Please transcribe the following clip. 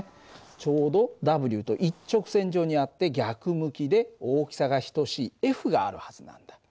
ちょうどＷと一直線上にあって逆向きで大きさが等しいＦがあるはずなんだ。